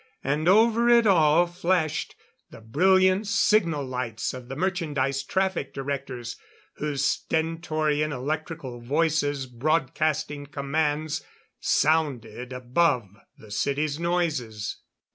And over it all flashed the brilliant signal lights of the merchandise traffic directors whose stentorian electrical voices broadcasting commands sounded above the city's noises.